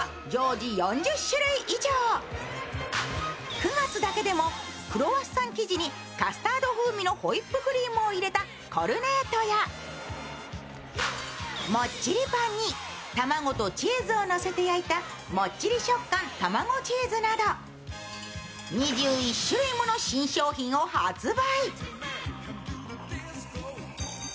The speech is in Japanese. ９月だけでも、クロワッサン生地にカスタード風味のホイップクリームを入れたコルネートやもっちりパンに卵とチーズを乗せて焼いたもっちり食感たまごチーズなど、２１種類もの新商品を発売。